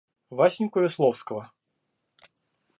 Васеньку Весловского.